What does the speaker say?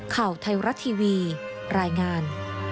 ข่าวไทยรัฐทีวีรายงาน